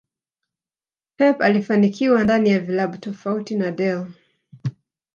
Pep alifanikiwa ndani ya vilabu tofauti na Del